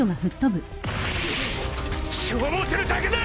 消耗するだけだ！